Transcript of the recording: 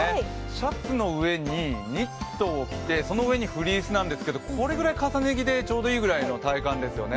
シャツの上にニットを着てその上にフリースなんですけどこれぐらい重ね着で、ちょうどいいぐらいの体感ですよね。